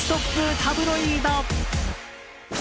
タブロイド。